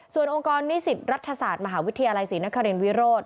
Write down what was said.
ส่วนองค์กรนิสิตรัฐศาสตร์มหาวิทยาลัยศรีนครินวิโรธ